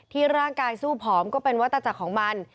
ร่างกายสู้ผอมก็เป็นวัตจักรของมัน